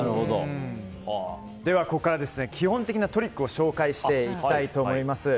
では、ここから基本的なトリックを紹介していきたいと思います。